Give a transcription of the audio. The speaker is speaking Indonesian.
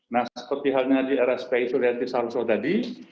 nah seperti halnya di era spesial yang disarang sarang tadi